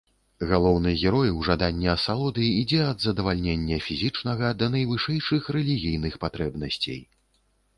Галоўны герой у жаданні асалоды ідзе ад задавальнення фізічнага да найвышэйшых рэлігійных патрэбнасцей.